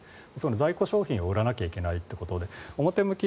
在庫商品を売らなければいけないということで表向き